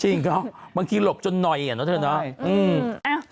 จริงครับบางทีหลบจนหน่อยอย่างนั้นเถอะ